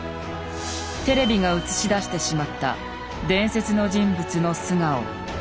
テレビが映し出してしまった伝説の人物の素顔。